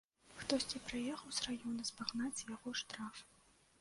Хтосьці прыехаў з раёна спагнаць з яго штраф.